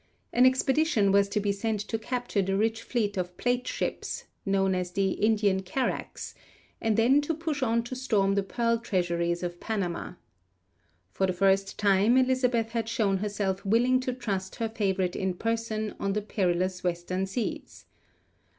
An expedition was to be sent to capture the rich fleet of plate ships, known as the Indian Carracks, and then to push on to storm the pearl treasuries of Panama. For the first time, Elizabeth had shown herself willing to trust her favourite in person on the perilous western seas.